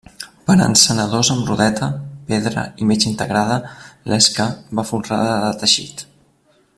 Per a encenedors amb rodeta, pedra i metxa integrada, l'esca va folrada de teixit.